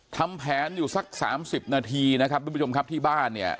ทำแผนอยู่สักสามสิบนาทีนะครับทุกผู้ชมครับที่บ้านเนี่ย